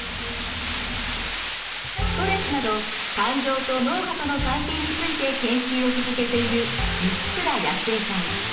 ストレスなど感情と脳波との関係について研究を続けている満倉靖恵さん。